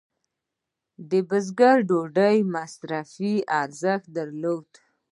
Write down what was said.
د بزګر ډوډۍ مصرفي ارزښت درلود.